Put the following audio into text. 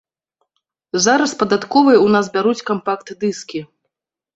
Зараз падатковыя ў нас бяруць кампакт-дыскі.